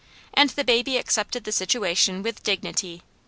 And the baby accepted the situation with dignity.